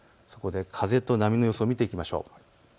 風と波の予想を見ていきましょう。